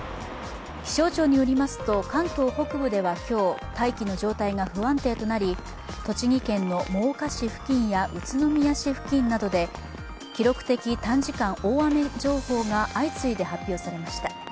気象庁によりますと、関東北部では今日、大気の状態が不安定となり、栃木県の真岡市付近や宇都宮市付近などで記録的短時間大雨情報が相次いで発表されました。